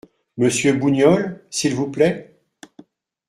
Monsieur Bougnol, s’il vous plaît ?